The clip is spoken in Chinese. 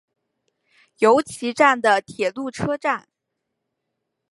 由岐站的铁路车站。